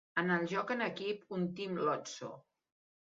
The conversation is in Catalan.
En el joc en equip, un Team Lottso!